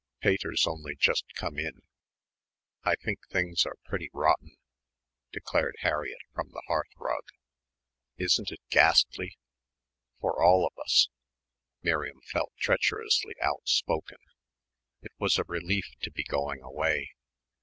"Pater's only just come in. I think things are pretty rotten," declared Harriett from the hearthrug. "Isn't it ghastly for all of us?" Miriam felt treacherously outspoken. It was a relief to be going away.